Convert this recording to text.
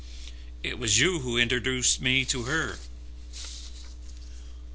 "It was you who introduced me to her."